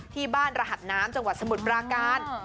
ที่บานรหัสน้ำเจ้าหวัดสมุดปราการ